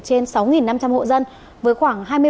trên sáu năm trăm linh hộ dân với khoảng